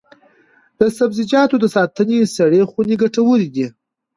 د سبزیجاتو د ساتنې سړې خونې ګټورې دي.